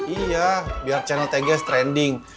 iya biar channel tgs trending